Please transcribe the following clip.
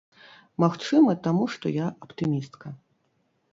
Магчыма, таму што я аптымістка.